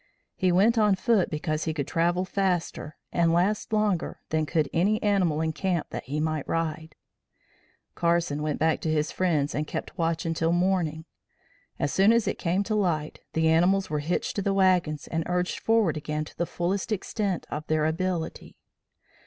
He went on foot because he could travel faster and last longer than could any animal in camp that he might ride. Carson went back to his friends and kept watch until morning. As soon as it came to light, the animals were hitched to the wagons and urged forward again to the fullest extent of their ability.